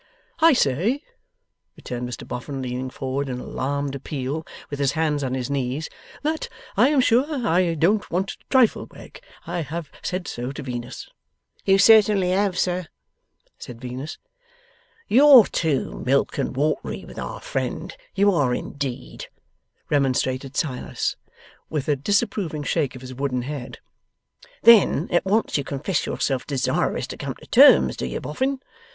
'I say,' returned Mr Boffin, leaning forward in alarmed appeal, with his hands on his knees, 'that I am sure I don't want to trifle. Wegg. I have said so to Venus.' 'You certainly have, sir,' said Venus. 'You're too milk and watery with our friend, you are indeed,' remonstrated Silas, with a disapproving shake of his wooden head. 'Then at once you confess yourself desirous to come to terms, do you Boffin?